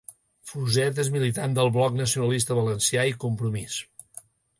Fuset és militant del Bloc Nacionalista Valencià i Compromís.